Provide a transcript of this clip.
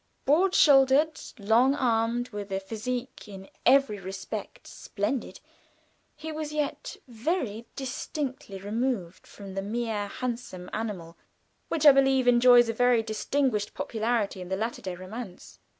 Broad shouldered, long armed, with a physique in every respect splendid, he was yet very distinctly removed from the mere handsome animal which I believe enjoys a distinguished popularity in the latter day romance.